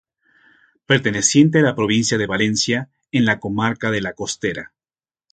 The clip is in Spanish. Perteneciente a la provincia de Valencia, en la comarca de La Costera.